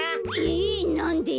えなんで？